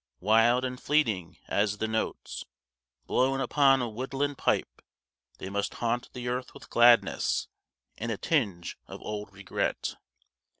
Wild and fleeting as the notes Blown upon a woodland pipe, 30 They must haunt the earth with gladness And a tinge of old regret.